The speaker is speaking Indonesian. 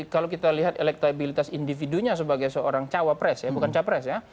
kalau kita lihat elektabilitas individunya sebagai seorang cawapres ya bukan capres ya